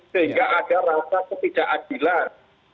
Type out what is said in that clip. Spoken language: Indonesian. sehingga ada rasa ketidakadilan